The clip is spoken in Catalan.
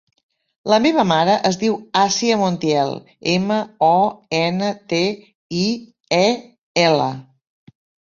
La meva mare es diu Assia Montiel: ema, o, ena, te, i, e, ela.